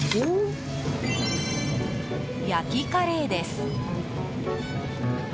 焼きカレーです！